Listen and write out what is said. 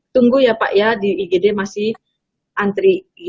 tunggu ya pak ya di igd masih antri